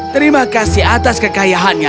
terima kasih atas kekayaannya